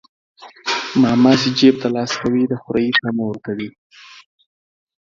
ماما چى جيب ته لاس کوى د خورى طعمه ورته وى.